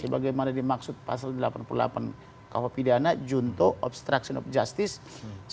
sebagaimana dimaksud pasal delapan puluh delapan kuh pidana junto obstruction of justice